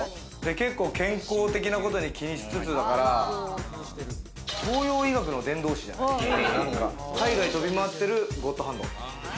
結構、健康的なことに気にしつつだから東洋医学の伝道師、海外飛び回ってるゴッドハンド。